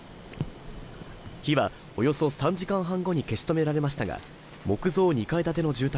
火はおよそ３時間半後に消し止められましたが木造２階建ての住宅